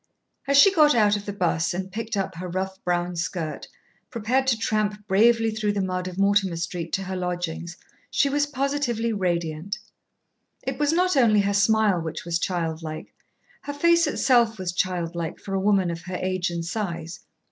As she got out of the bus, and picked up her rough brown skirt, prepared to tramp bravely through the mud of Mortimer Street to her lodgings, she was positively radiant. It was not only her smile which was childlike, her face itself was childlike for a woman of her age and size.